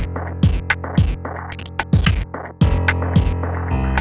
tapi kalau kalian mau ngebalikin sweaternya